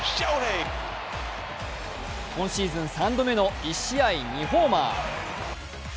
今シーズン３度目の１試合２ホーマー。